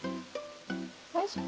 よいしょ。